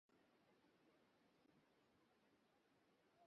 রাজনৈতিক আন্দোলনে সফল হতে হলে অবশ্যই তার চরিত্র হতে হবে অহিংসাত্মক।